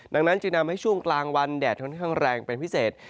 ดังนั้นจึงทำให้ช่วงกลางวันแดดค่อนข้างแรงเป็นพิเศษ